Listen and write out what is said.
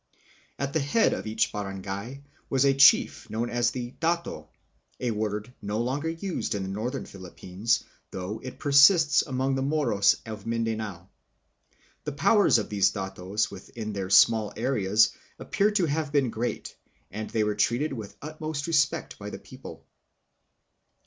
At the head of each barangay was a chief known as the "dato," a word no longer used in the northern Philippines, though it persists among the Moros of Mindanao. The powers of these datos within their small areas appear to have been great, and they were treated with utmost respect by the people.